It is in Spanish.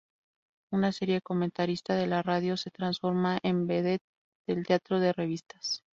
Una seria comentarista de la radio se transforma en vedette del teatro de revistas.